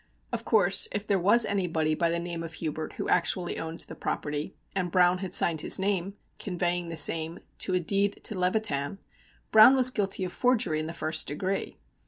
Of course, if there was anybody by the name of Hubert who actually owned the property, and Browne had signed his name, conveying the same, to a deed to Levitan, Browne was guilty of forgery in the first degree.